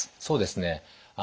そうですね。